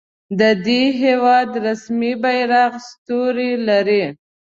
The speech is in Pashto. د دې هیواد رسمي بیرغ ستوری لري.